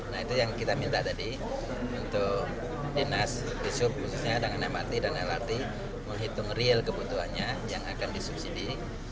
nah itu yang kita minta tadi untuk dinas bisub khususnya dengan mrt dan lrt menghitung real kebutuhannya yang akan disubsidi